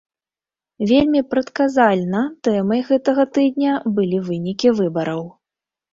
Вельмі прадказальна тэмай гэтага тыдня былі вынікі выбараў.